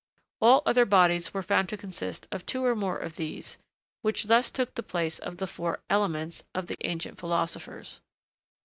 All other bodies were found to consist of two or more of these, which thus took the place of the four 'elements' of the ancient philosophers.